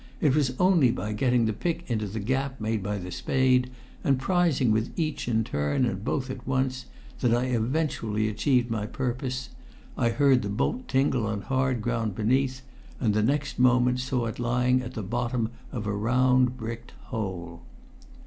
It was only by getting the pick into the gap made by the spade, and prizing with each in turn and both at once, that I eventually achieved my purpose. I heard the bolt tinkle on hard ground beneath, and next moment saw it lying at the bottom of a round bricked hole.